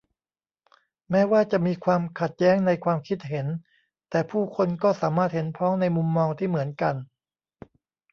แม้ว่าจะมีความขัดแย้งในความคิดเห็น แต่ผู้คนก็สามารถเห็นพ้องในมุมมองที่เหมือนกัน